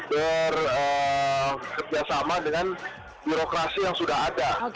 bekerjasama dengan birokrasi yang sudah ada